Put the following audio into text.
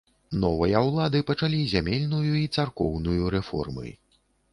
Новыя ўлады пачалі зямельную і царкоўную рэформы.